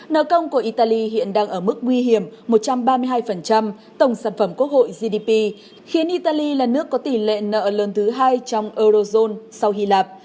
nợ công của italy hiện đang ở mức nguy hiểm một trăm ba mươi hai tổng sản phẩm quốc hội gdp khiến italy là nước có tỷ lệ nợ lớn thứ hai trong eurozone sau hy lạp